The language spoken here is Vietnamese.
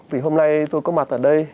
vì hôm nay tôi có mặt ở đây